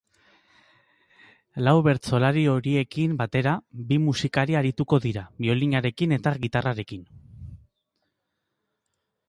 Lau bertsolari horiekin batera, bi musikari arituko dira biolinarekin eta gitarrarekin.